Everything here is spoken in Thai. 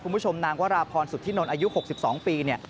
คุณผู้ชมนางวราพรสุธินนท์อายุ๖๒ปีเนี่ย